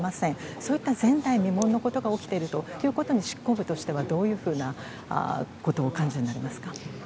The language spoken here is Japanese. そういった前代未聞のことが起きているということに、執行部としてはどういうふうなことをお感じになりますか？